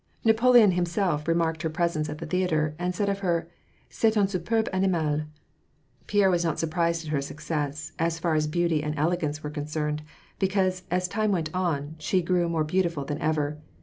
Napoleon himself remarked her presence at the theatre, and said of her, " C^est un superbe animalJ^ Pierre was not surprised at her success, as far as beauty and elegance were concerned, because, as time went on, she grew more beautiful than ever.